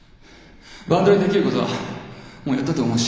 バンドでできることはもうやったと思うし。